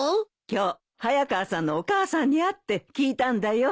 今日早川さんのお母さんに会って聞いたんだよ。